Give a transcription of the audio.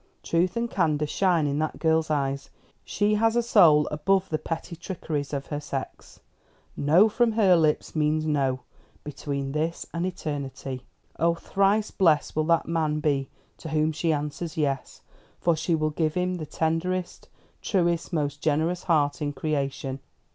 Truth and candour shine in that girl's eyes. She has a soul above the petty trickeries of her sex. No from her lips means No, between this and eternity. Oh, thrice blessed will that man be to whom she answers Yes; for she will give him the tenderest, truest, most generous heart in creation."